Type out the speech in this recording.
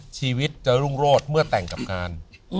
ชีวิตจะรุ่งโรธเมื่อแต่งกับงาน